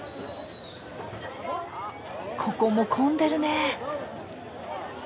ここも混んでるね。